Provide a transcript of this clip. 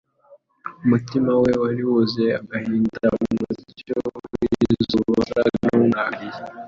umutima we wari wuzuye agahinda. Umucyo w’izuba wasaga n’umurakariye,